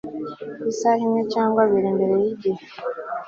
isaha imwe cyangwa abiri mbere yigihe